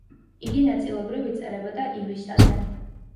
იგი ნაწილობრივ იწერებოდა ივისაზე.